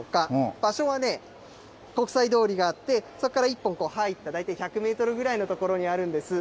場所は国際通りがあって、そこから１本入った１００メートルぐらいの所にあるんです。